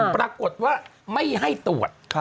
ปรากฏว่าไม่ให้ตรวจ